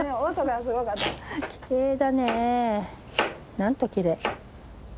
なんときれい。